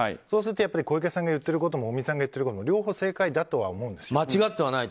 そうすると小池さんが言ってることも尾身さんが言ってることも両方正解だとは思うんですよ。